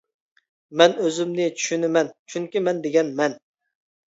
مەن ئۆزۈمنى چۈشىنىمەن، چۈنكى مەن دېگەن مەن.